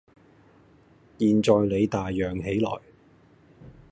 現在你大嚷起來，